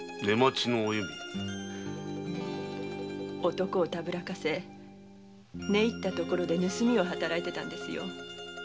男をたぶらかせ寝入ったとこで盗みを働いていたんですよ。